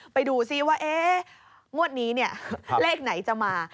ไปดูซิว่างวดนี้เนี่ยเลขไหนจะมา